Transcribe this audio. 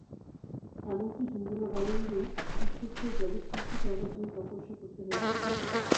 এমন-কি হিন্দুরা বলেন যে, ঈশ্বরকেও জগৎসৃষ্টি করবার জন্য তপস্যা করতে হয়েছিল।